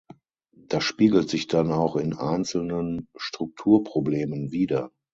Das spiegelt sich dann auch in einzelnen Strukturproblemen wider.